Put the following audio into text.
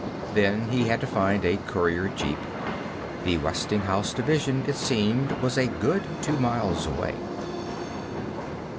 Then he had to find a courier jeep. The Westinghouse division, it seemed, was a good two miles away.